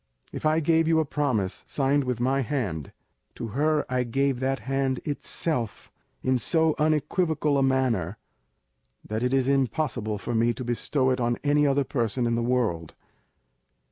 If I gave you a promise signed with my hand, to her I gave that hand itself in so unequivocal a manner that it is impossible for me to bestow it on any other person in the world.